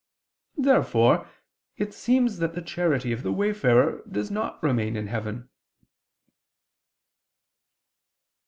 Therefore it seems that the charity of the wayfarer does not remain in heaven.